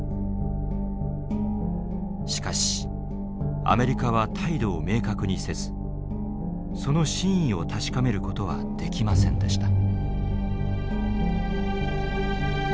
しかしアメリカは態度を明確にせずその真意を確かめることはできませんでした。